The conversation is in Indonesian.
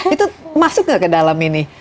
itu masuk nggak ke dalam ini